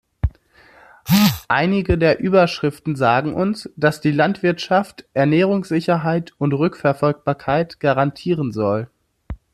Einige der Überschriften sagen uns, dass die Landwirtschaft Ernährungssicherheit und Rückverfolgbarkeit garantieren soll.